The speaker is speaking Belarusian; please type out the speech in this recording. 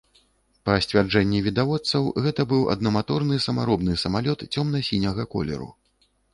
Па сцвярджэнні відавочцаў, гэта быў аднаматорны самаробны самалёт цёмна-сіняга колеру.